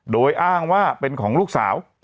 โดยอ้างว่าเป็นของลูกสาว